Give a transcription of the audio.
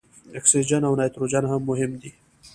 اکسیجن او نایتروجن هم مهم دي.